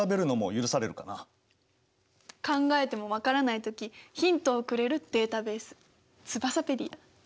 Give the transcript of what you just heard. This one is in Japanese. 考えても分からない時ヒントをくれるデータベースツバサペディア！